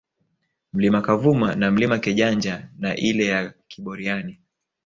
Mlima Kavuma na Mlima Kejanja na ile ya Kiboriani